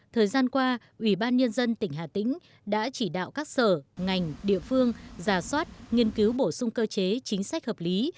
thời gian qua ủy ban nhân dân tỉnh hà tĩnh đã chỉ đạo các sở ngành địa phương giả soát nghiên cứu bổ sung cơ chế chính sách hợp lý